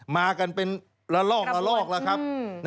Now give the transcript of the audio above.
มากันเป็นละลอกละลอกแล้วครับ